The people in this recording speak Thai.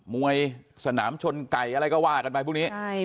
มวยสนามชนไก่อะไรก็ว่ากันไปพวกนี้